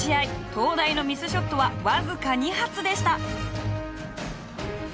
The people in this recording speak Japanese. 東大のミスショットは僅か２発でした。